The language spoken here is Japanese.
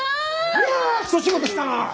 いや一仕事したな！